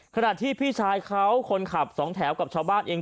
ขณะที่พี่ชายเขาคนขับสองแถวกับชาวบ้านเอง